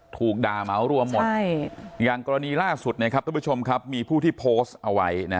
ถูกด่าเขารวมหมดอย่างกรณีล่าสุดได้ประชุมครับมีผู้ที่โพสต์เอาไว้